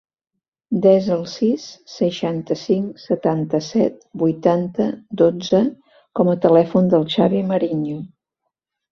Desa el sis, seixanta-cinc, setanta-set, vuitanta, dotze com a telèfon del Xavi Mariño.